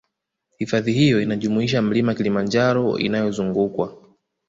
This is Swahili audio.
Hifadhi hiyo inajumuisha Mlima Kilimanjaro inayozungukwa